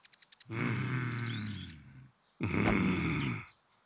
うん。